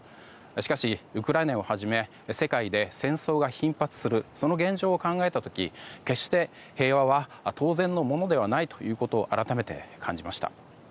しかし、ウクライナをはじめ世界で戦争が頻発するその現状を考えた時決して平和は当然のものではないということを改めて感じました。